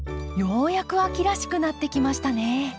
ようやく秋らしくなってきましたね。